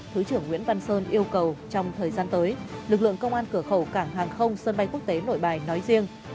thứ trưởng nguyễn văn sơn yêu cầu trong thời gian tới lực lượng công an cửa khẩu cảng hàng không sân bay quốc tế nội bài nói riêng